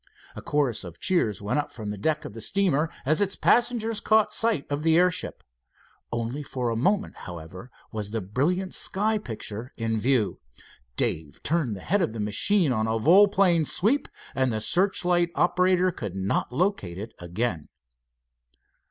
A chorus of cheers went up from the deck of the steamer as its passengers caught sight of the airship. Only for a moment, however, was the brilliant sky picture in view. Dave turned the head of the machine on a volplane sweep, and the searchlight operator could not locate it again.